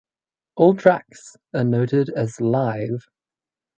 All tracks are noted as "live".